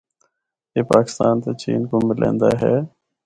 اے پاکستان تے چین کو ملیندا ہے۔